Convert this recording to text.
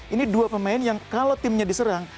ini dua pemain yang kalau timnya diserang